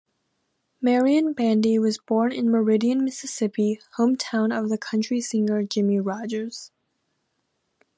Marion Bandy was born in Meridian, Mississippi, hometown of the country singer Jimmie Rodgers.